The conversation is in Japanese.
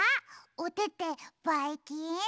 おててばいきん？